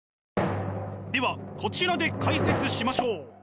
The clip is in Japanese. ではこちらで解説しましょう！